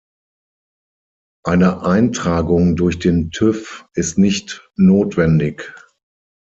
Eine Eintragung durch den TÜV ist nicht notwendig.